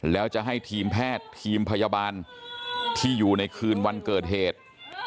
แล้วจะให้ทีมแพทย์ทีมพยาบาลที่อยู่ในคืนวันเกิดเหตุ